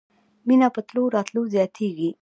مېنه په تلو راتلو زياتېږي.